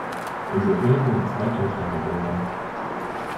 In der Ehe wurden zwei Töchter geboren.